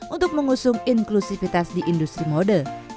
untuk mengusung inklusivitas di industri mode